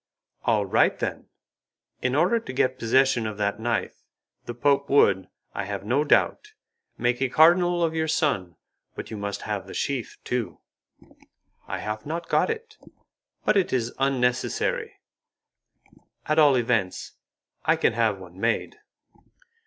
"All right, then. In order to get possession of that knife, the Pope would, I have no doubt, make a cardinal of your son, but you must have the sheath too." "I have not got it, but it is unnecessary. At all events I can have one made."